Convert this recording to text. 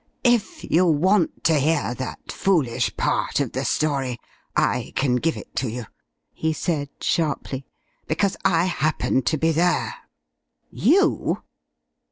"If you want to hear that foolish part of the story, I can give it to you," he said, sharply. "Because I happened to be there." "_You!